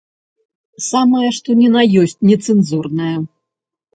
Самае што ні на ёсць нецэнзурнае.